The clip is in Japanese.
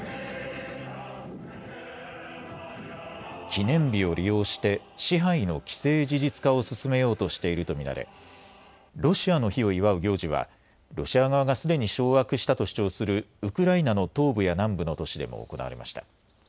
記念日を利用して支配の既成事実化を進めようとしていると見られロシアの日を祝う行事はロシア側がすでに掌握したと主張するウクライナの東部や南部の都市でも行われました。